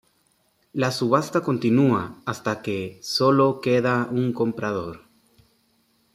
La subasta continúa hasta que sólo queda un comprador.